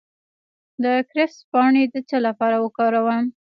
د کرفس پاڼې د څه لپاره وکاروم؟